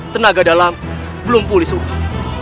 penaga dalam belum pulih seutuhnya